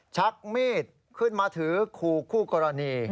ชักมีดขึ้นมาถือคู่กรณี